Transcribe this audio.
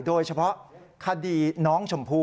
โดยเฉพาะคดีน้องชมพู่